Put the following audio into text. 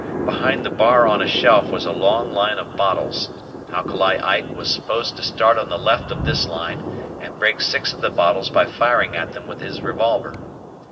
Behind the bar on a shelf was a long line of bottles. Alkali Ike was supposed to start on the left of this line and break six of the bottles by firing at them with his revolver.